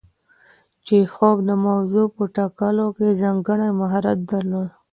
چیخوف د موضوع په ټاکلو کې ځانګړی مهارت درلود.